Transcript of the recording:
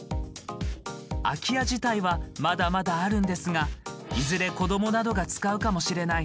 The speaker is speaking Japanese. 空き家自体はまだまだあるんですが「いずれ子どもなどが使うかもしれない」。